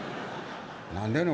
「何でんの？